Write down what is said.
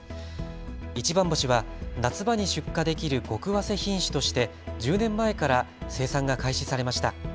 一番星は夏場に出荷できるごくわせ品種として１０年前から生産が開始されました。